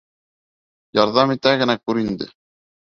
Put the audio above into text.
Ярҙам итә генә күр инде!